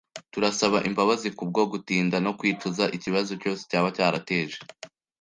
Turasaba imbabazi kubwo gutinda no kwicuza ikibazo cyose cyaba cyarateje.